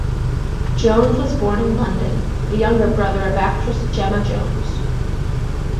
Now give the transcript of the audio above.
Jones was born in London, the younger brother of actress Gemma Jones.